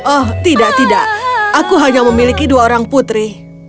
oh tidak tidak aku hanya memiliki dua orang putri